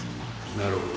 なるほど。